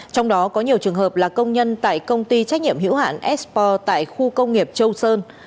trong đó có nhiều trường hợp là công nhân tại công ty trách nhiệm hữu hạn espor tại khu công nghiệp châu sơn